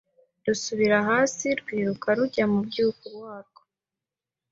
rusubira hasi Rwiruka rujya mu mubyuko warwo